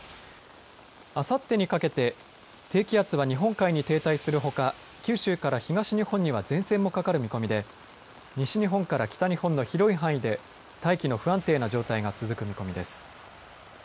あさってにかけて低気圧は日本海に停滞するほか九州から東日本には前線もかかる見込みで西日本から北日本の広い範囲で大気の不安定な状態が続く見込みです。